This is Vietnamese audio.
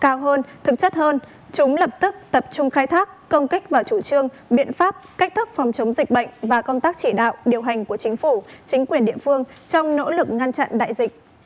cao hơn thực chất hơn chúng lập tức tập trung khai thác công kích vào chủ trương biện pháp cách thức phòng chống dịch bệnh và công tác chỉ đạo điều hành của chính phủ chính quyền địa phương trong nỗ lực ngăn chặn đại dịch